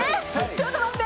ちょっと待って！